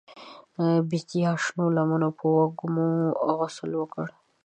د بیدیا شنو لمنو په وږمو غسل وکړ